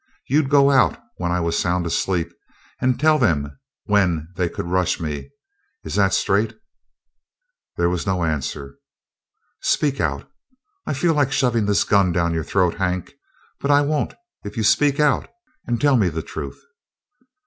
You'd go out, when I was sound asleep, and tell them when they could rush me. Is that straight?" There was no answer. "Speak out! I feel like shovin' this gun down your throat, Hank, but I won't if you speak out and tell me the truth."